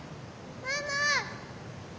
ママ！